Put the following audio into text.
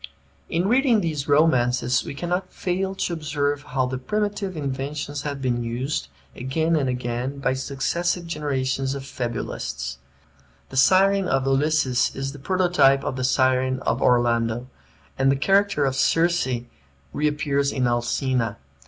In reading these romances, we cannot fail to observe how the primitive inventions have been used, again and again, by successive generations of fabulists. The Siren of Ulysses is the prototype of the Siren of Orlando, and the character of Circe reappears in Alcina.